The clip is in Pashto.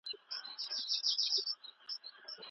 ګرګین او د هغه عسکر د خلکو پر مال او ناموس تېری کاوه.